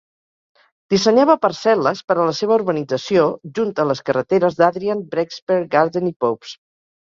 Dissenyava parcel·les per a la seva urbanització junt a les carreteres d'Adrian, Breakspear, Garden i Popes.